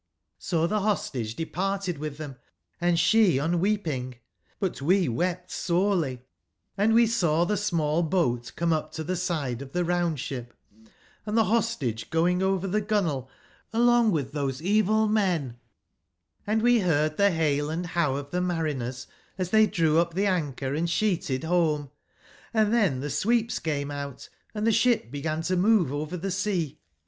So the Hostage departed with them, & she unweeping, but wc wept sorely. Hnd we saw the small boat come up to the side of the round/ship, and the Hostage going over the gunwale along with those evil men, and we heard the hale and how of the mariners as they drew up the anchor and sheeted home; and then the sweeps came out and the ship began to move over the sea.